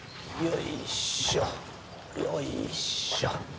よいしょ！